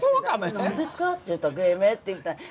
「何ですか？」って言ったら「芸名」って言うたんや。